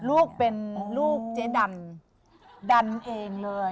ลูกเป็นลูกเจ๊ดันดันเองเลย